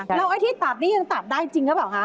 แล้วไอ้ที่ตัดนี่ยังตัดได้จริงหรือเปล่าคะ